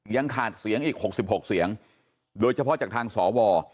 ยังขาดเสียงอีก๖๖เสียงโดยเฉพาะจากทางสว